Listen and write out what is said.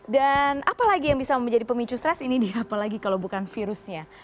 dan apa lagi yang bisa menjadi pemicu stres ini dia apalagi kalau bukan virusnya